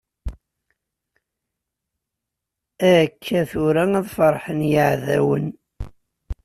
Akka tura ad ferḥen yeɛdawen.